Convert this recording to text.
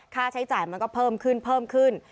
ค่าใช้จ่ายมันก็เพิ่มขึ้น